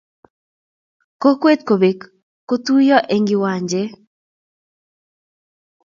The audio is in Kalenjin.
Kokwee kobek kotuyo eng kiwanchee.